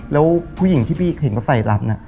แล้วผู้หญิงที่พี่เห็นเขาใส่รำน่ะ